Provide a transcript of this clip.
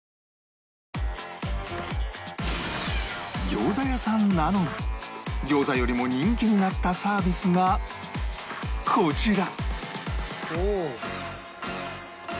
餃子屋さんなのに餃子よりも人気になったサービスがこちら